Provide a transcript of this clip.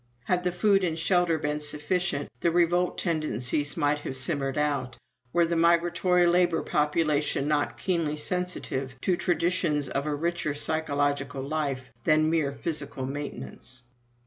Had the food and shelter been sufficient, the revolt tendencies might have simmered out, were the migratory labor population not keenly sensitive to traditions of a richer psychological life than mere physical maintenance."